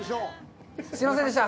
すいませんでした。